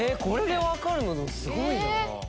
これで分かるのすごい！